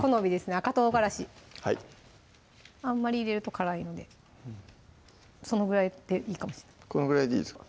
赤唐辛子あんまり入れると辛いのでそのぐらいでいいかもしれないこのぐらいでいいですか？